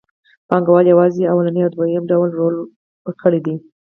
پانګوال یوازې لومړنی او دویم ډول ورکړي دي